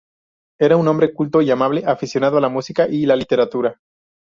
Era un hombre culto y amable, aficionado a la música y la literatura.